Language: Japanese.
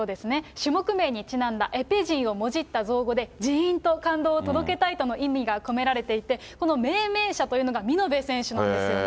種目名にちなんだエペ陣をもじった造語で、じーーんと感動を届けたいという意味が込められていて、命名者というのが見延選手なんですよね。